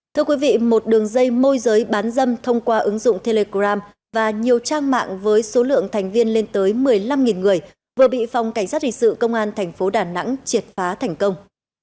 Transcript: thưa quý vị một đường dây môi giới bán dâm thông qua ứng dụng telegram và nhiều trang mạng với số lượng thành viên lên tới một mươi năm người vừa bị phòng cảnh sát hình sự công an thành phố đà nẵng triệt phá thành công